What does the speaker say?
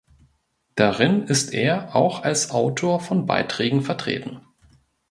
Darin ist er auch als Autor von Beiträgen vertreten.